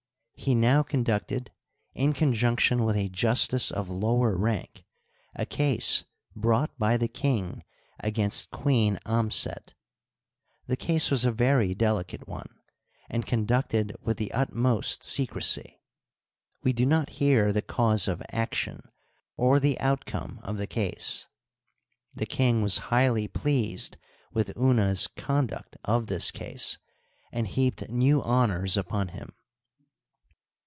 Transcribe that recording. He now conducted, in conjunction with a justice of lower rank, a case brought by the king against Queen Amset, The case was a very delicate one, and conducted with the ut most secrecy ; we do not hear the cause of action, or the outcome of the case. The king was highly pleased with Una's conduct of this case, and heaped new honors upon him.